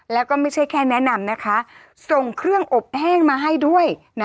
แล้วก็ไม่ใช่แค่แนะนำนะคะส่งเครื่องอบแห้งมาให้ด้วยนะ